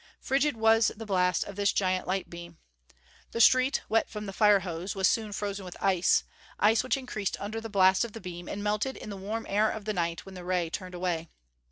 Frigid was the blast of this giant light beam. The street, wet from the fire hose, was soon frozen with ice ice which increased under the blast of the beam, and melted in the warm air of the night when the ray turned away.